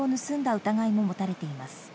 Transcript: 疑いも持たれています。